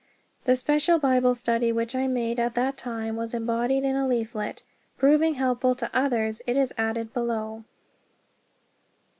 The special Bible study which I made at that time was embodied in a leaflet. Proving helpful to others, it is added below.